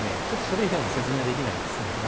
ちょっとそれ以外の説明はできないですね。